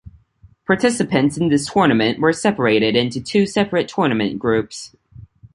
Participants in this tournament were separated into two separate tournament groups.